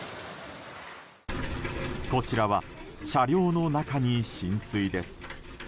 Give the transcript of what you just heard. こちらは車両の中に浸水です。